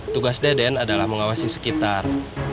tugas deden adalah mengawasi sekitar